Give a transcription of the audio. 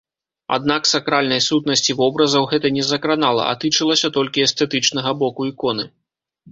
Аднак сакральнай сутнасці вобразаў гэта не закранала, а тычылася толькі эстэтычнага боку іконы.